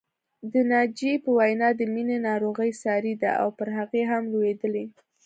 د ناجيې په وینا د مینې ناروغي ساري ده او پر هغې هم لوېدلې